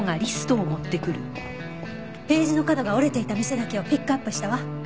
ページの角が折れていた店だけをピックアップしたわ。